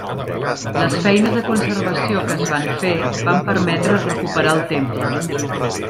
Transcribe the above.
Les feines de conservació que es van fer van permetre recuperar el temple.